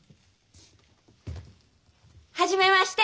初めまして。